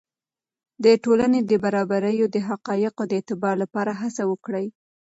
د ټولنې د برابریو د حقایقو د اعتبار لپاره هڅه وکړئ.